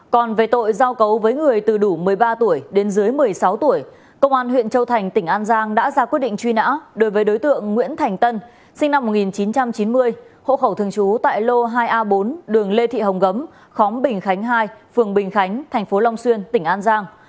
còn về tội giao cấu với người từ đủ một mươi ba tuổi đến dưới một mươi sáu tuổi công an huyện châu thành tỉnh an giang đã ra quyết định truy nã đối với đối tượng nguyễn thành tân sinh năm một nghìn chín trăm chín mươi hộ khẩu thường trú tại lô hai a bốn đường lê thị hồng gấm khóng bình khánh hai phường bình khánh thành phố long xuyên tỉnh an giang